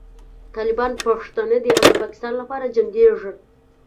طالبان پښتانه دي او د پاکستان لپاره جنګېږي.